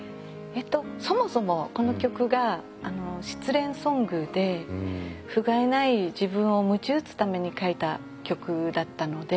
そもそもこの曲が失恋ソングでふがいない自分をむち打つために書いた曲だったので。